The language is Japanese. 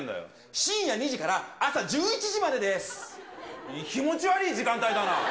深夜２時から朝１１時までで気持ち悪い時間帯だな。